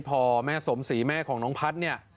พอแม่สมศรีแม่ของน้องพัฒน์เนี่ย